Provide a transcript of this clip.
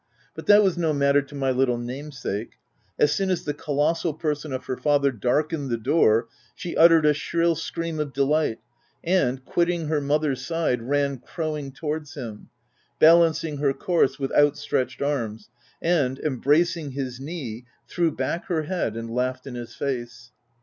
But that was no matter to my little namesake : as soon as the colossal person of her father dark ened the door, she uttered a shrill scream of delight, and, quitting her mother's side, ran crowing towards him — balancing her course with out stretched arms, — and, embracing his knee, threw back her head and laughed in his face.